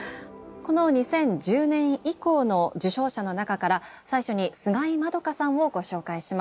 この２０１０年以降の受賞者の中から最初に菅井円加さんをご紹介します。